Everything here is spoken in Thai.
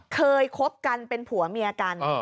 คบกันเป็นผัวเมียกัน